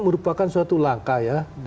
merupakan suatu langkah ya